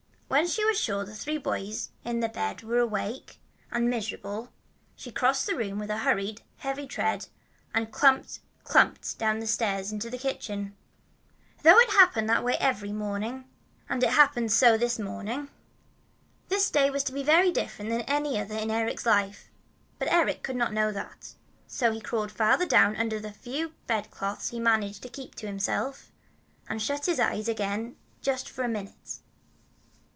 When she was sure the three boys in the bed were awake and miserable, she crossed the room with a hurried, heavy tread and clumped, clumped down the stairs into the kitchen. Though it happened just that way every morning, and it had happened so this morning, this day was to be very different from any other in Eric's life. But Eric could not know that; so he crawled farther down under the few bedclothes he had managed to keep to himself, and shut his eyes again just for a minute.